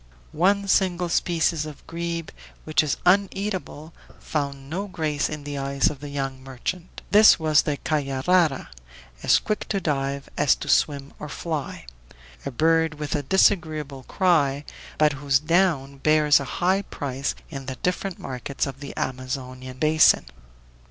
One single species of grebe, which is uneatable, found no grace in the eyes of the young merchant; this was the "caiarara," as quick to dive as to swim or fly; a bird with a disagreeable cry, but whose down bears a high price in the different markets of the Amazonian basin.